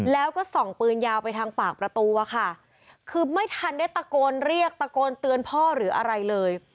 แล้วก็ส่องปืนยาวไปทางปากประตูอะค่ะคือไม่ทันได้ตะโกนเรียกตะโกนเตือนพ่อหรืออะไรเลย